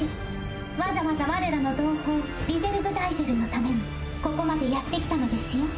わざわざ我らの同胞リゼルグ・ダイゼルのためにここまでやってきたのですよ。